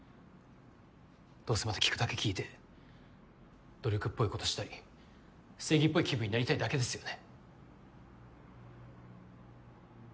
どうせまた聞くだけ聞いて努力っぽいことしたり正義っぽい気分になりたいだけですよね？